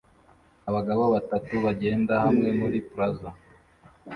Abagabo batatu bagenda hamwe muri plaza